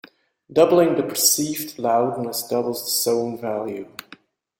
Doubling the perceived loudness doubles the sone value.